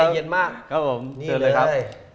เย็นมากนี่เลยครับ